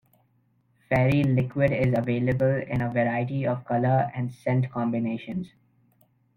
Fairy liquid is available in a variety of colour and scent combinations.